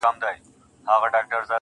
راسه دعا وكړو.